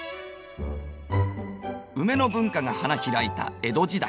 ウメの文化が花開いた江戸時代